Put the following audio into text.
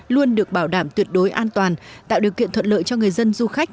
luôn được bảo đảm tuyệt đối an toàn tạo điều kiện thuận lợi cho người dân du khách